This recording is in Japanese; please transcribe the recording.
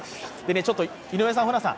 ちょっと井上さん、ホランさん